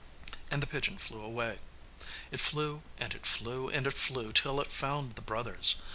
And the pigeon flew away. It flew and it flew and it flew till it found the brothers.